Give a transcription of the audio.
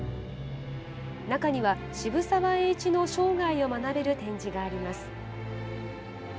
中には渋沢栄一の生涯を学べる展示があります。